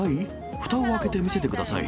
ふたを開けて見せてください。